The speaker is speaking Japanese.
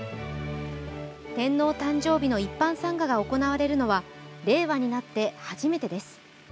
天皇誕生日の一般参賀が行われるのは令和になって初めてです。